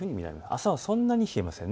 朝はそんなに冷えません。